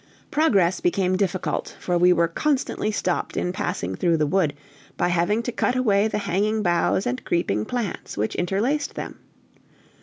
Progress became difficult, for we were constantly stopped in passing through the wood, by having to cut away the hanging boughs and creeping plants which interlaced them.